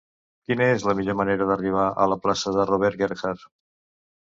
Quina és la millor manera d'arribar a la plaça de Robert Gerhard?